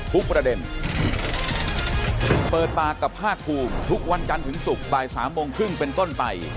ทุกประเด็นเปิดปากกับภาคภูมิทุกวันจันทร์ถึงศุกร์บ่ายสามโมงครึ่งเป็นต้นไป